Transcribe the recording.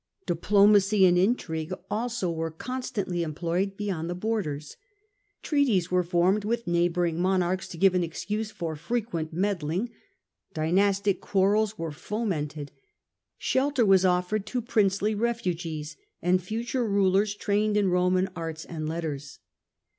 Diplomacy ^^^ and intrigue also were constantly employed ^ticreS beyond the borders ; treaties were formed with neighbouring monatchs to give an excuse for frequent meddling ; dynastic quarrels were fomented ; shelter was offered to princely refugees, and future rulers trained in Roman arts and letters.